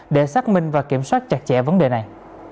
để xác minh và kiểm soát chặt chẽ vấn đề này